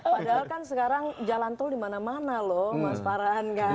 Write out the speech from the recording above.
padahal kan sekarang jalan tol di mana mana loh mas farhan kan